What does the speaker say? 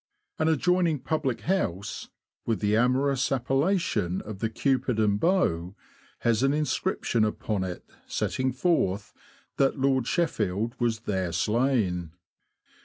An adjoining public house, with the amorous appella tion of the Cupid and Bow, has an inscription upon it setting forth that Lord Sheffield was there slain.